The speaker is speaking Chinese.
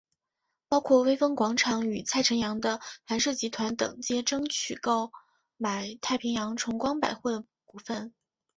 包括微风广场与蔡辰洋的寒舍集团等皆争取购买太平洋崇光百货的股份。